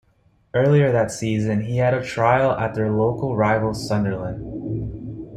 Earlier that season, he had a trial at their local rivals Sunderland.